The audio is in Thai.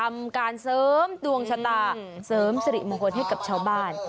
ทำการเสริมดวงชะตาเสริมสิริมงคลให้กับชาวบ้าน